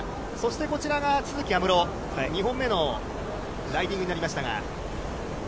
こちらが都筑有夢路、２本目のライディングになりました。